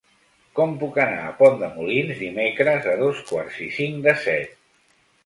Com puc anar a Pont de Molins dimecres a dos quarts i cinc de set?